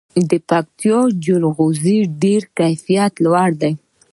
د پکتیکا جلغوزي ډیر کیفیت لري.